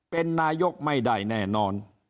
เป็นนายกไม่ได้แน่นอน